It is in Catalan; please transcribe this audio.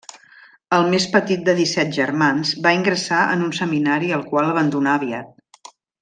El més petit de disset germans, va ingressar en un seminari el qual abandonà aviat.